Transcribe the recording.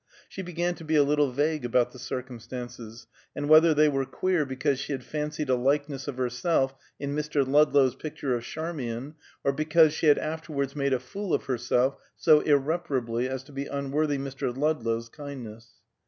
She began to be a little vague about the circumstances, and whether they were queer because she had fancied a likeness of herself in Mr. Ludlow's picture of Charmian, or because she had afterwards made a fool of herself so irreparably as to be unworthy Mr. Ludlow's kindness.